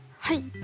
はい。